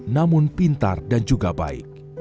namun pintar dan juga baik